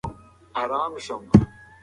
دی خپلې سترګې پټوي او وایي چې بیا غږ راوکړه.